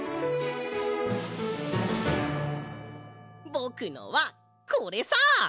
ぼくのはこれさ！